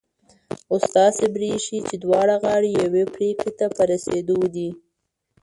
اوس داسي برېښي چي دواړه غاړې یوې پرېکړي ته په رسېدو دي